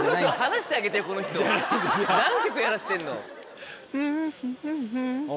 この人何曲やらせてんの？